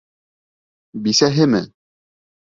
Бисәһеме?